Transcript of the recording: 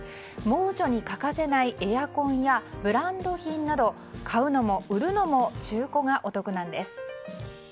猛暑に欠かせないエアコンやブランド品など買うのも売るのも中古がお得なんです。